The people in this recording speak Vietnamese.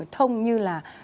thông như là